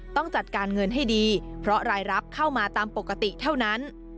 ต้องจัดการเงินให้ดีเพราะรายรับเข้ามาตามปกติเท่านั้น